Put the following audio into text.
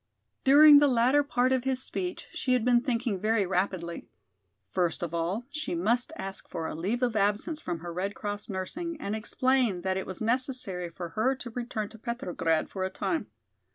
During the latter part of his speech she had been thinking very rapidly. First of all, she must ask for a leave of absence from her Red Cross nursing and explain that it was necessary for her to return to Petrograd for a time.